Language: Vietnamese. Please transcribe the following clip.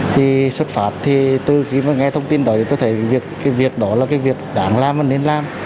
thì xuất phát thì từ khi nghe thông tin đó thì tôi thấy việc đó là việc đáng làm và nên làm